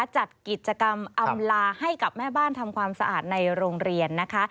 จัดกิจกรรมอำลาให้กับแม่บ้านทำความสะอาดในโรงเรียนนะคะ